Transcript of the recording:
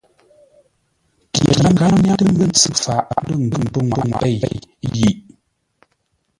Pye gháp nyáŋtə́ mə́ntsʉ faʼ lə́ ngʉ́ pənŋwaʼa pěi yiʼ.